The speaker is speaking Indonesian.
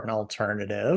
dan mencari alternatif